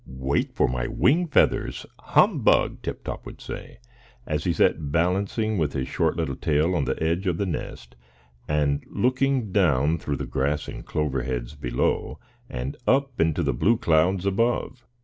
"Wait for my wing feathers? Humbug!" Tip Top would say, as he sat balancing with his little short tail on the edge of the nest, and looking down through the grass and clover heads below, and up into the blue clouds above.